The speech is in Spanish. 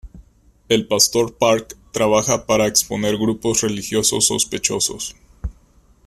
El pastor Park trabaja para exponer grupos religiosos sospechosos.